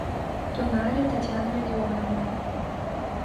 — тӱҥале Татьяна Родионовна.